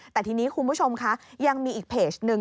แต่ทีนี้คุณผู้ชมคะยังมีอีกเพจนึง